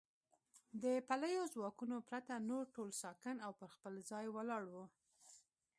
د پلیو ځواکونو پرته نور ټول ساکن او پر خپل ځای ولاړ و.